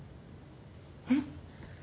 えっ？